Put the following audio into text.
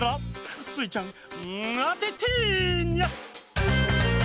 スイちゃんあててニャ！